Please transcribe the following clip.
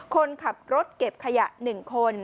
คนขับรถเก็บขยะ๑คน